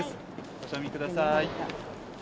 ご賞味ください。